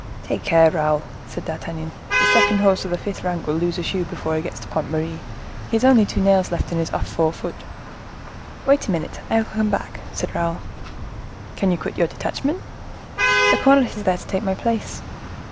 "Take care, Raoul," said D'Artagnan, "the second horse of the fifth rank will lose a shoe before he gets to the Pont Marie; he has only two nails left in his off fore foot." "Wait a minute, I will come back," said Raoul. "Can you quit your detachment?" "The cornet is there to take my place."